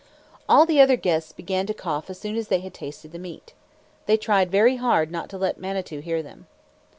All the other guests began to cough as soon as they had tasted the meat. They tried very hard not to let Manitou hear them.